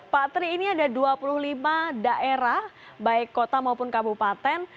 pak tri ini ada dua puluh lima daerah baik kota maupun kabupaten